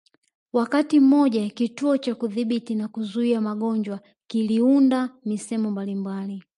Wakati mmoja Kituo cha Kudhibiti na Kuzuia Magonjwa kiliunda misemo mbalimbali